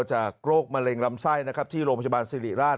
จากโรคมะเร็งรำไส้ที่โรงพจบาลสิริราช